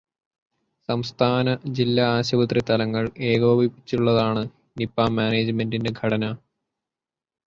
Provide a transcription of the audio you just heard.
സംസ്ഥാന, ജില്ലാ, ആശുപത്രിതലങ്ങള് ഏകോപിപ്പിച്ചുള്ളതാണ് നിപ മാനേജ്മെന്റി ഘടന.